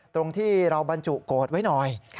ตรงที่เราบรรจุโกรธไว้หน่อย